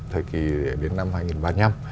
thời kỳ đến năm hai nghìn ba mươi năm